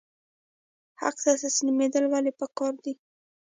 حق ته تسلیمیدل ولې پکار دي؟